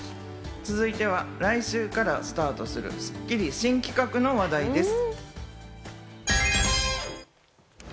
続いては来週からスタートするスッキリ新企画の話題です。